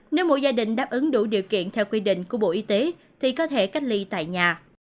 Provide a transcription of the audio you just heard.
nếu mỗi gia đình đáp ứng đủ điều kiện theo quy định của bộ y tế thì có thể cách ly tại nhà